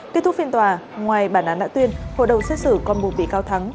kết thúc phiên tòa ngoài bản án đã tuyên hội đồng xét xử còn buộc bị cáo thắng